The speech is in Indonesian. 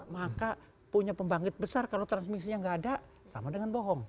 maka punya pembangkit besar kalau transmisinya nggak ada sama dengan bohong